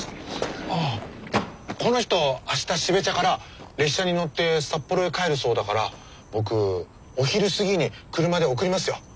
ああこの人明日標茶から列車に乗って札幌へ帰るそうだから僕お昼過ぎに車で送りますよ。